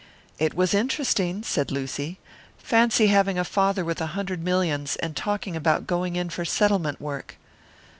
"It was interesting," said Lucy. "Fancy having a father with a hundred millions, and talking about going in for settlement work!"